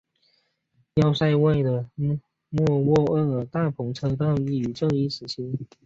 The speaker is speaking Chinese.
要塞外的莫卧尔大篷车道亦建于这一时期。